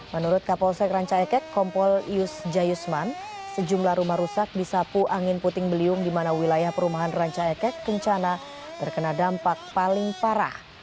menurut kapolsek ranca ekek kompol yus jayusman sejumlah rumah rusak disapu angin puting beliung di mana wilayah perumahan ranca ekek kencana terkena dampak paling parah